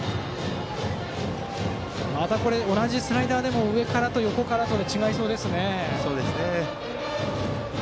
また同じスライダーでも上からと横からでは違いそうです。